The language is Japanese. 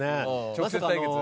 直接対決？